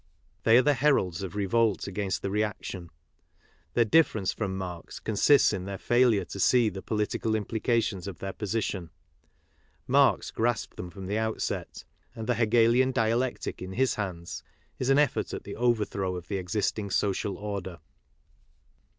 They are the heralds of revolt against the reaction. Their| difference from Marx consists in their failure to see the! political implications of their position. Marx grasped them from the outset ; and the Hegelian dialectic in his hands is an effort at the overthrow of the existing social order.